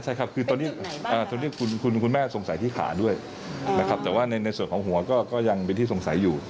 ใช่ครับคือตอนนี้คุณแม่สงสัยที่ขาด้วยนะครับแต่ว่าในส่วนของหัวก็ยังเป็นที่สงสัยอยู่